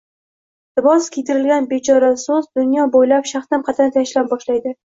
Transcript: «libos kiydirilgan» bechora so‘z dunyo bo‘ylab shahdam qadam tashlay boshlaydi.